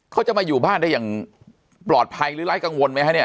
เขาจะมาอยู่บ้านได้อย่างปลอดภัยหรือไร้กังวลไหมฮะเนี่ย